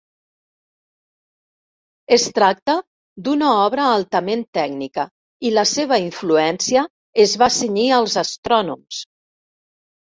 Es tracta d'una obra altament tècnica i la seva influència es va cenyir als astrònoms.